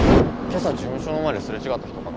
今朝事務所の前ですれ違った人かな？